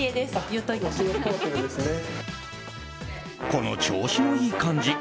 この調子のいい感じ。